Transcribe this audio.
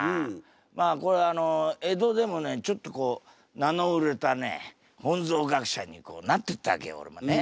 まあこれあの江戸でもねちょっとこう名の売れたね本草学者にこうなってったわけよおれもね。